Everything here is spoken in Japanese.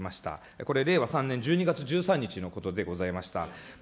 これ、令和３年１１月１３日のことでございました。